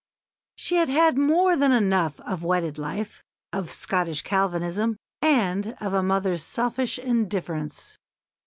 She had had more than enough of wedded life, of Scottish Calvinism, and of a mother's selfish indifference.